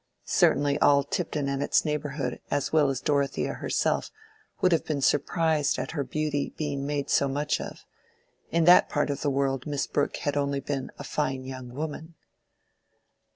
(Certainly all Tipton and its neighborhood, as well as Dorothea herself, would have been surprised at her beauty being made so much of. In that part of the world Miss Brooke had been only a "fine young woman.")